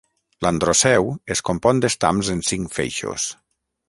L'androceu es compon d'estams en cinc feixos.